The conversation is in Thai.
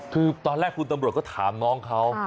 คือตอนแรกคุณตำรวจก็ถามน้องเขา